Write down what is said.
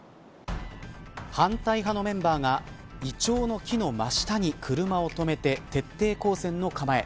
反対派のメンバーがイチョウの木の真下に車を止めて徹底抗戦の構え。